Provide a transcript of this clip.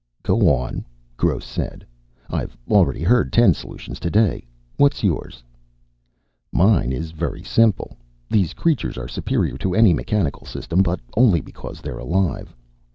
"Go on," Gross said. "I've already heard ten solutions today. What's yours?" "Mine is very simple. These creatures are superior to any mechanical system, but only because they're alive.